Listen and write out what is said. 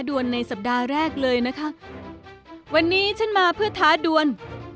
วันนี้ฉันมาเพื่อท้าดวน